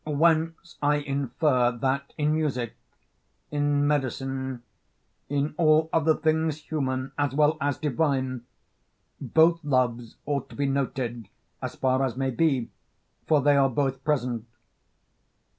Whence I infer that in music, in medicine, in all other things human as well as divine, both loves ought to be noted as far as may be, for they are both present.